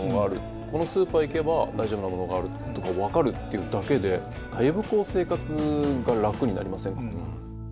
このスーパー行けば大丈夫なものがあるとか分かるっていうだけでだいぶこう生活が楽になりませんか？